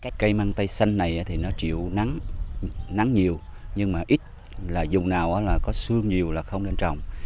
cái cây măng tây xanh này thì nó chịu nắng nhiều nhưng mà ít là dùng nào là có xương nhiều là không nên trồng